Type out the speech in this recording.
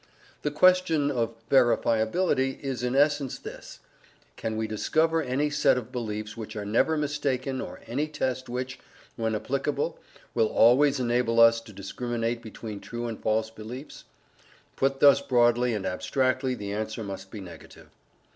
The question of verifiability is in essence this: can we discover any set of beliefs which are never mistaken or any test which, when applicable, will always enable us to discriminate between true and false beliefs? Put thus broadly and abstractly, the answer must be negative.